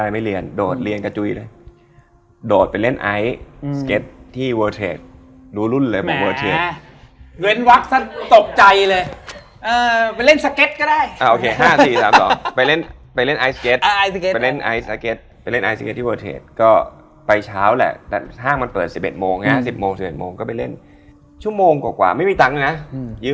มันก็ควรที่จะเล่นให้หน่อย